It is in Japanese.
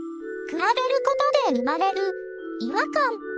比べることで生まれる違和感。